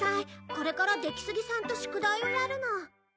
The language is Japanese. これから出木杉さんと宿題をやるの。